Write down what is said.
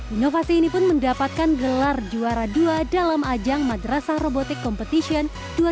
inovasi ini pun mendapatkan gelar juara dua dalam ajang madrasah robotic competition dua ribu dua puluh